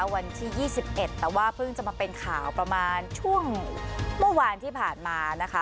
วันที่๒๑แต่ว่าเพิ่งจะมาเป็นข่าวประมาณช่วงเมื่อวานที่ผ่านมานะคะ